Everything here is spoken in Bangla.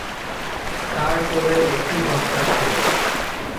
তার কোলে একটি বাচ্চা ছিল।